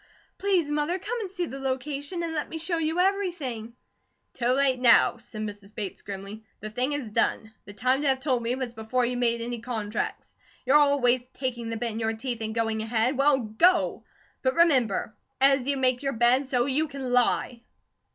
Please, Mother, come and see the location, and let me show you everything." "Too late now," said Mrs. Bates grimly, "the thing is done. The time to have told me was before you made any contracts. You're always taking the bit in your teeth and going ahead. Well, go! But remember, 'as you make your bed, so you can lie.'"